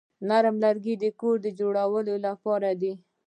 نرم لرګي د کور جوړولو لپاره دي.